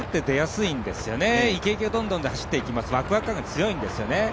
いけいけどんどんで走っていきますから、ワクワク感が強いんですよね。